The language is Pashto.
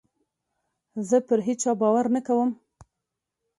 زه پر هېچا باور نه کوم.